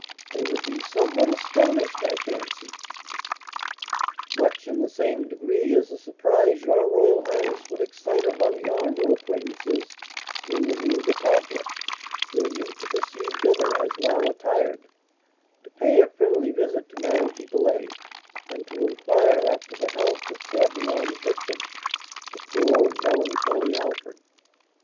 They would be somewhat astonished, I fancy." "Much in the same degree as the surprise your royal highness would excite among your new acquaintances in the Rue du Temple, were you to proceed thither, as now attired, to pay a friendly visit to Madame Pipelet, and to inquire after the health of Cabrion's victim, the poor melancholy Alfred!"